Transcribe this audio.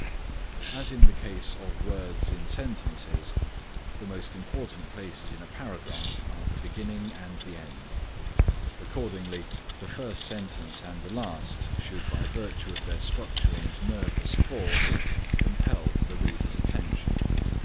As in the case of words in sentences, the most important places in a paragraph are the beginning and the end. Accordingly the first sentence and the last should by virtue of their structure and nervous force, compel the reader's attention.